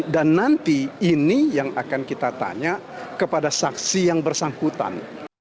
dan nanti ini yang akan kita tanya kepada saksi yang bersangkutan